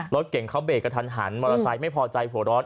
รถเก่งเขาเบรกกระทันหันมอเตอร์ไซค์ไม่พอใจหัวร้อน